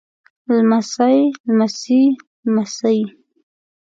لمسی لمسي لمسې